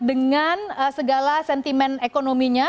dengan segala sentimen ekonominya